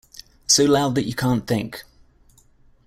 So loud that you can't think.